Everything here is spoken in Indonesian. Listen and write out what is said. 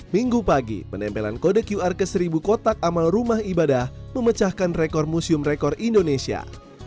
minggu pagi penempelan kode qr ke seribu kotak amal rumah ibadah memecahkan rekor museum rekor indonesia